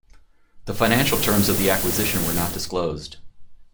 The financial terms of the acquisition were not disclosed.